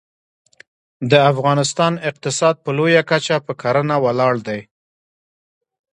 د افغانستان اقتصاد په لویه کچه په کرنه ولاړ دی